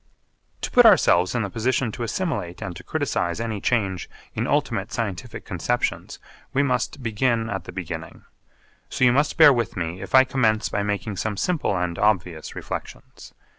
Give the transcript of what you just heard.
To put ourselves in the position to assimilate and to criticise any change in ultimate scientific conceptions we must begin at the beginning. So you must bear with me if I commence by making some simple and obvious reflections.